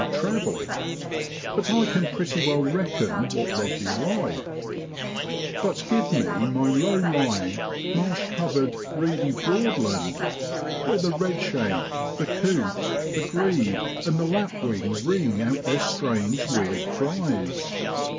57 of travel, but I can pretty well reckon what they'd be like; but give me my low lying, marsh covered, reedy Broadland, where the redshank, the coot, the grebe, and the lapwing ring out their strange weird cries.